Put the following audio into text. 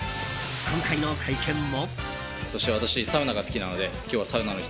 今回の会見も。